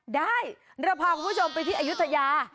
ได้เราพาคุณผู้ชมไปที่อายุทยา